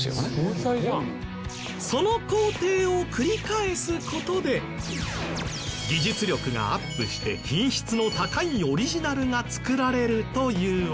その工程を繰り返す事で技術力がアップして品質の高いオリジナルが作られるというわけ。